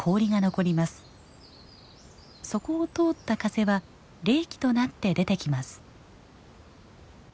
そこを通った風は冷気となって出てきます。